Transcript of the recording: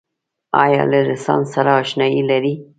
آیا له رنسانس سره اشنایې لرئ؟